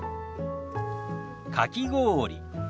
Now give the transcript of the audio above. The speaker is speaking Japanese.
かき氷。